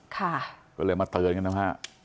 ก็เลยมาเตือนกันนะฮะ